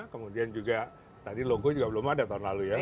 kemudian juga tadi logo juga belum ada tahun lalu ya